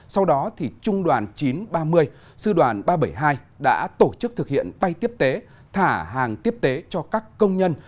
sau đó trung đoàn chín trăm ba mươi sư đoàn ba trăm bảy mươi hai đã tổ chức thực hiện bay tiếp tế thả hàng tiếp tế cho các công nhân